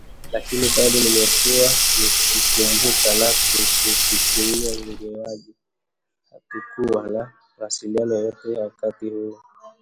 Lakini bado nimekuwa nikikumbuka na kukufikiria ingawaje hatukuwa na mawasiliano yoyote wakati huo